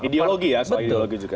ideologi ya soal ideologi juga